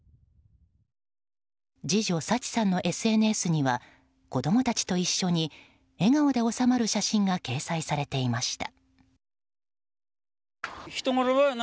次女・抄知さんのＳＮＳには子供たちと一緒に笑顔で収まる写真が掲載されていました。